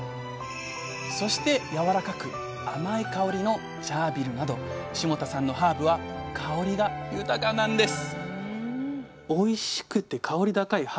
そしてやわらかく甘い香りのチャービルなど霜多さんのハーブは香りが豊かなんです